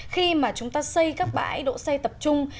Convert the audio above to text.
khi mà chúng ta xây các bãi độ xây tập trung